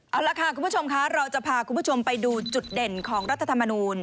เอาล่ะค่ะคุณผู้ชมคะเราจะพาคุณผู้ชมไปดูจุดเด่นของรัฐธรรมนูล